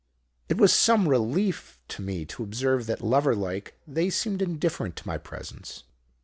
And it was some relief to me to observe that, lover like, they seemed indifferent to my presence.